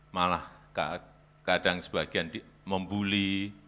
malah kadang sebagian membuli